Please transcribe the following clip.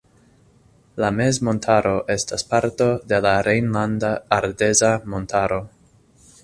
La mezmontaro estas parto de la Rejnlanda Ardeza Montaro.